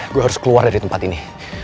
gue harus keluar dari tempat ini